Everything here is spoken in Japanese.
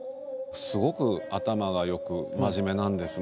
すごく頭がよく真面目なんです。